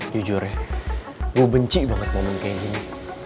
jujur ya gue benci banget momen kayak gini